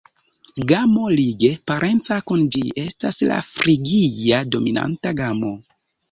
Gamo lige parenca kun ĝi estas la frigia-dominanta gamo.